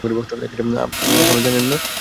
আপনি এখনও জানেন না?